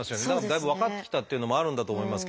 だいぶ分かってきたっていうのもあるんだと思いますけど。